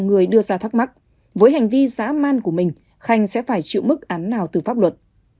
người đưa ra thắc mắc với hành vi giã man của mình khanh sẽ phải chịu mức án nào từ pháp luật